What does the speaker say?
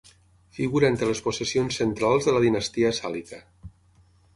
Figura entre les possessions centrals de la Dinastia Sàlica.